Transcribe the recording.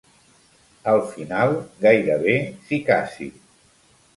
Al final, gairebé s'hi casi.